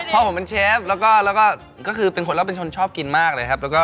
พ่อผมเป็นเชฟแล้วก็คือเป็นคนชอบกินมากเลยครับ